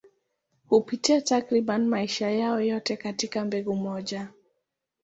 Hupitia takriban maisha yao yote katika mbegu moja.